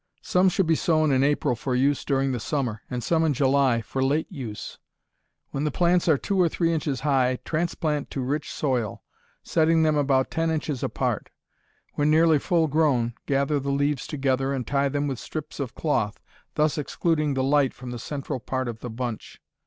Some should be sown in April for use during the summer, and some in July, for late use. When the plants are two or three inches high transplant to rich soil, setting them about ten inches apart. When nearly full grown, gather the leaves together and tie them with strips of cloth, thus excluding the light from the central part of the bunch.